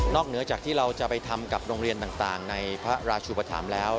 เหนือจากที่เราจะไปทำกับโรงเรียนต่างในพระราชุปธรรมแล้ว